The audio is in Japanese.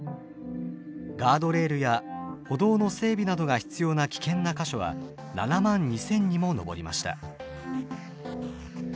ガードレールや歩道の整備などが必要な危険な箇所は７万２，０００にも上りました。